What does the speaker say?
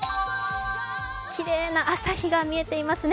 きれいな朝日が見えていますね。